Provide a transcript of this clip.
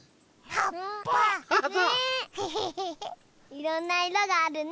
いろんないろがあるね！